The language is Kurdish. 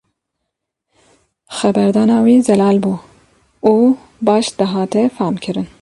Xeberdana wî zelal bû û baş dihate famkirin.